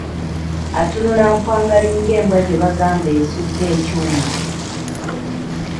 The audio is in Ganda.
Atunula mpwangali nga embwa gye bagamba esudde ekyuma!